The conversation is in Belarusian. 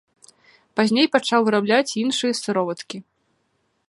Пазней пачаў вырабляць і іншыя сыроваткі.